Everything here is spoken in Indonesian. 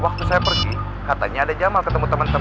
waktu saya pergi katanya ada jamal ketemu temen temen